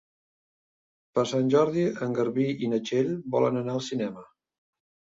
Per Sant Jordi en Garbí i na Txell volen anar al cinema.